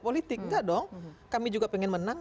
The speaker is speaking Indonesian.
politik tidak dong kami juga ingin menang